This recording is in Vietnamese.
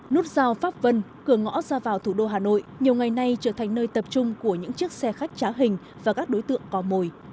nút giao pháp vân cửa ngõ ra vào thủ đô hà nội nhiều ngày nay trở thành nơi tập trung của những chiếc xe khách trá hình và các đối tượng có mồi